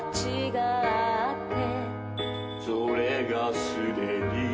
「それがすでに」